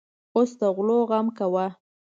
اوس د غلو غم کوه.